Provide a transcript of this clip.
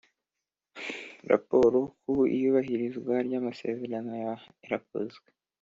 Raporo ku iyubahirizwa ry’amasezerano yarakozwe